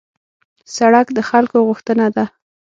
سړک د خلکو غوښتنه ده.